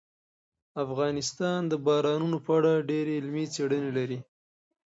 افغانستان د بارانونو په اړه ډېرې علمي څېړنې لري.